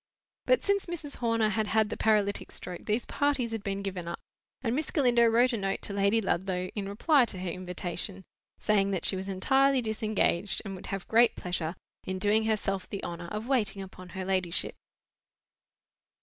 But since Mrs. Horner had had the paralytic stroke these parties had been given up; and Miss Galindo wrote a note to Lady Ludlow in reply to her invitation, saying that she was entirely disengaged, and would have great pleasure in doing herself the honour of waiting upon her ladyship.